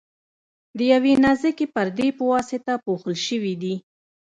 د یوې نازکې پردې په واسطه پوښل شوي دي.